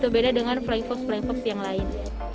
beda dengan flying fox flying fox yang lain